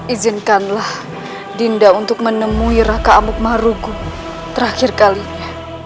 izinkanlah dinda untuk menemui raka amuk maruku terakhir kalinya